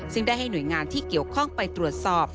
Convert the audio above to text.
ซึ่งได้ให้หน่วยงานที่เกี่ยวข้องไปตรวจสอบ